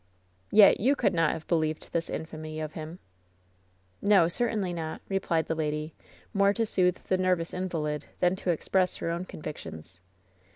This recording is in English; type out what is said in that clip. "Yet you could not have believed this infamy of him." "No, certainly not," replied the lady, more to soothe the nervous invalid than to express her own convictions.